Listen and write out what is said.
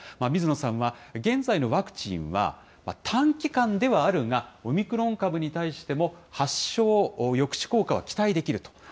水野さんは、現在のワクチンは、短期間ではあるが、オミクロン株に対しても発症抑止効果は期待できると。